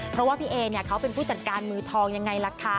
เพราะว่าพี่เอเนี่ยเขาเป็นผู้จัดการมือทองยังไงล่ะคะ